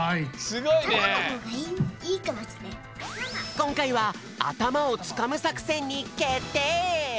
こんかいはあたまをつかむさくせんにけってい。